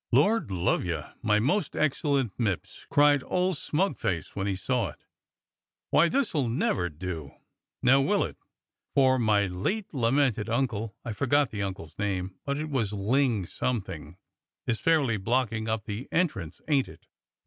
"* Lord love you, my most excellent Mipps,' cried old smug face when he saw it, 'why, this'll never do, now will it, for my late lamented uncle' — I forget the uncle's name but it was Ling something — *is fairly blocking up the entrance, ain't it?'